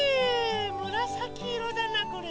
むらさきいろだなこれ。